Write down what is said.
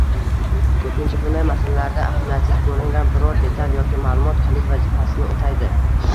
Koʻpincha bunday masalalarda ahamiyatsiz koʻringan biror detal yoki maʼlumot kalit vazifasini oʻtaydi